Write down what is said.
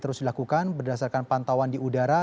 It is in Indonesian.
terus dilakukan berdasarkan pantauan di udara